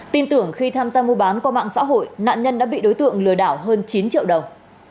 tin tưởng khi tham gia mua bán qua mạng xã hội nạn nhân đã bị đối tượng lừa đảo hơn chín triệu đồng